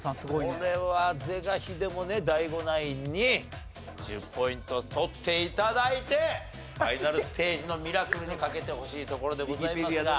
これは是が非でもねＤＡＩＧＯナインに１０ポイント取って頂いてファイナルステージのミラクルに懸けてほしいところでございますが。